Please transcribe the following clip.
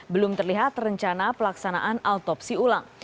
belum terlihat rencana pelaksanaan autopsi ulang